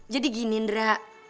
jadi gini indra